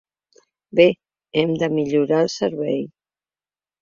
Bé, hem de millorar el servei.